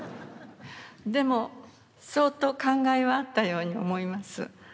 でも相当感慨はあったように思います。